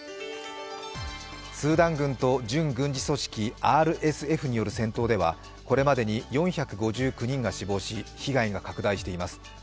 スーダン軍と準軍事組織ＲＳＦによる戦闘ではこれまでに４５９人が死亡し被害が拡大しています。